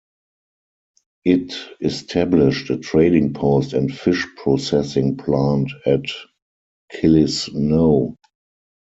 It established a trading post and fish processing plant at Killisnoo.